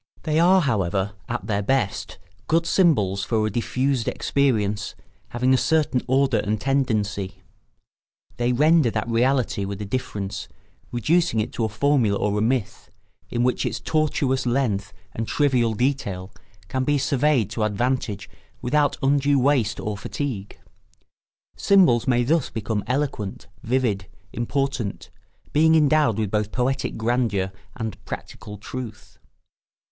They are, however, at their best good symbols for a diffused experience having a certain order and tendency; they render that reality with a difference, reducing it to a formula or a myth, in which its tortuous length and trivial detail can be surveyed to advantage without undue waste or fatigue. Symbols may thus become eloquent, vivid, important, being endowed with both poetic grandeur and practical truth.